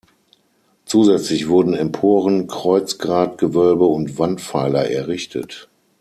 Zusätzlich wurden Emporen, Kreuzgratgewölbe und Wandpfeiler errichtet.